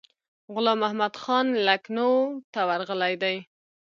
غلام محمدخان لکنهو ته ورغلی دی.